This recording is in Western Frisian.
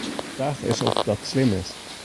De fraach is oft dat slim is.